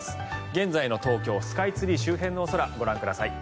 現在の東京スカイツリー周辺のお空ご覧ください。